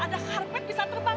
ada karpet bisa terbang